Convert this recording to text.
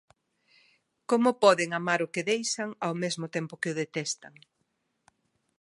Como poden amar o que deixan ao mesmo tempo que o detestan?